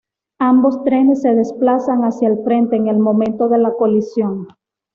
Ambos trenes se desplazan hacia el frente en el momento de la colisión.